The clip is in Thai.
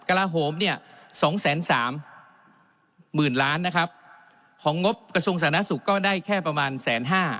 การาโหมเนี่ยสองแสนสามหมื่นล้านนะครับของงบกระทรวงศาลนักศึกษ์ก็ได้แค่ประมาณแสนห้า